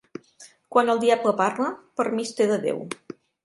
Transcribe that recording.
Quan el diable parla, permís té de Déu.